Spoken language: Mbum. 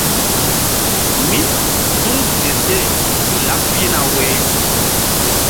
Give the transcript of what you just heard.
Mí suŋ ke seh ƴo laɓ pihna woyri.